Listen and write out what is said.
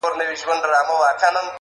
زړه مي تور له منبرونو د ریا له خلوتونو -